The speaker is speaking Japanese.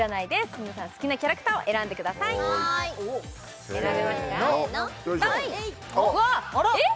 皆さん好きなキャラクターを選んでくださいはいせのあらっ